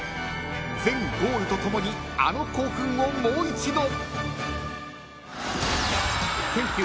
［全ゴールとともにあの興奮をもう一度］